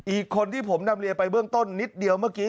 อีกคนที่ผมนำเรียนไปเบื้องต้นนิดเดียวเมื่อกี้